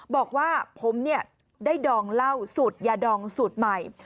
บอกว่าผมได้ดองเหล้าสูตรยาดองสูตรใหม่